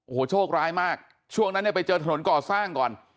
โอ้โหโชคร้ายมากช่วงนั้นเนี่ยไปเจอถนนก่อสร้างก่อน